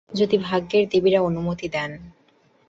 যদি ভাগ্যের দেবীরা অনুমতি দেন।